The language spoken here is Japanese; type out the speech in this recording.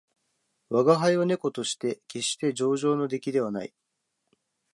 吾輩は猫として決して上乗の出来ではない